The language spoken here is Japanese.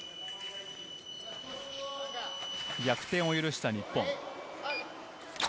逆転を許した日本。